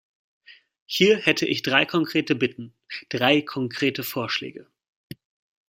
Hier hätte ich drei konkrete Bitten, drei konkrete Vorschläge.